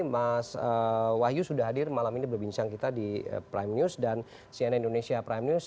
mas wahyu sudah hadir malam ini berbincang kita di prime news dan cnn indonesia prime news